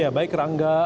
ya baik rangga